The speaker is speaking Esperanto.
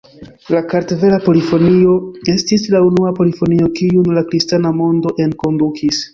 La kartvela polifonio estis la unua polifonio kiun la kristana mondo enkondukis.